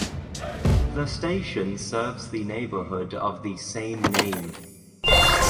The station serves the neighborhood of the same name.